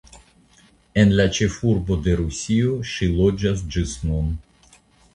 En la ĉefurbo de Rusio ŝi loĝas ĝis nun.